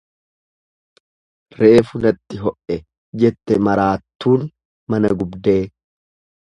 Reefu natti ho'e jette maraattuun mana gubdee.